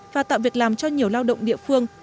và tạo việc làm cho nhiều lao động địa phương